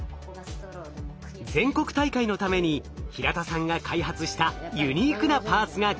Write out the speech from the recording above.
全国大会のために平田さんが開発したユニークなパーツがこれ。